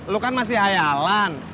lu kan masih hayalan